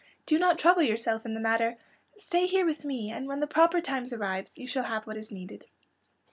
"Do not trouble yourself in the matter. Stay here with me, and when the proper time arrives you shall have what is needed."